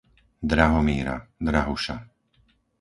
Drahomíra, Drahuša